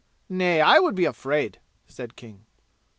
Nay, I would be afraid!" said King.